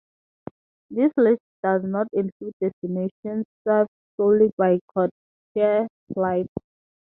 This list does not include destinations served solely by codeshare flights.